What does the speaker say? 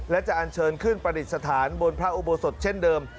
และจะอันเชิญขึ้นประดิษฐานบนพระอุโบสถเช่นเดิม